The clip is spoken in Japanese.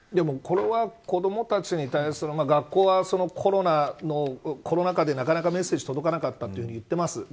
これは子どもたちに対する学校はコロナ禍でなかなかメッセージが届かなかったと言っています。